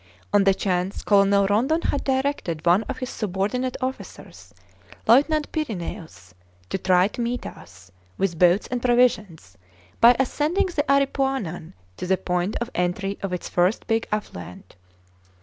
On the chance Colonel Rondon had directed one of his subordinate officers, Lieutenant Pyrineus, to try to meet us, with boats and provisions, by ascending the Aripuanan to the point of entry of its first big affluent.